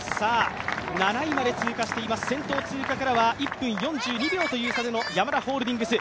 ７位まで通過しています、先頭通過からは１分４２秒という差でのヤマダホールディングス。